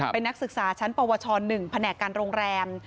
เป็นนักศึกษาชั้นปวช๑แผนกการโรงแรม